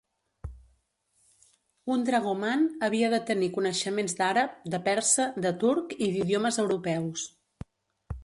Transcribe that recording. Un dragoman havia de tenir coneixements d'àrab, de persa, de turc i d'idiomes europeus.